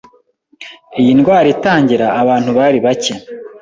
iyi ndwara itangira abantu bari bacye,